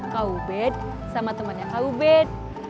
kak ubed sama temannya kak ubed